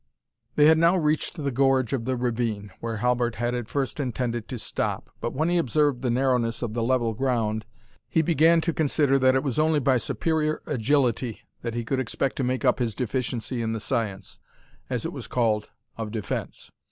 They had now reached the gorge of the ravine, where Halbert had at first intended to stop; but when he observed the narrowness of the level ground, he began to consider that it was only by superior agility that he could expect to make up his deficiency in the science, as it was called, of defence.